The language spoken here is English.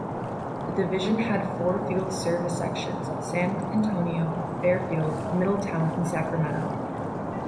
The division had four Field Service Sections: San Antonio, Fairfield, Middletown, and Sacramento.